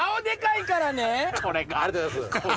ありがとうございます。